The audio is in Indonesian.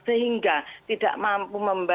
sehingga tidak mahu